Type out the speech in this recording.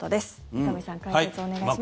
三上さん、解説をお願いします。